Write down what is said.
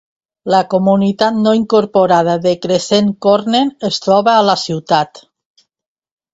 La comunitat no incorporada de Crescent Corner es troba a la ciutat.